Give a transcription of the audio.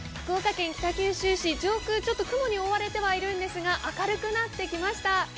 福岡県北九州市上空、ちょっと雲に覆われてはいるんですが、明るくなってきました。